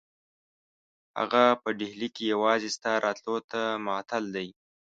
هغه په ډهلي کې یوازې ستا راتلو ته معطل دی.